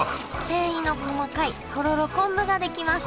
繊維の細かいとろろ昆布が出来ます